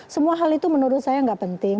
semua hal itu menurut saya nggak penting